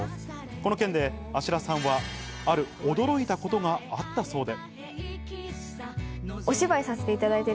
この件で芦田さんはある驚いたことがあったそうで。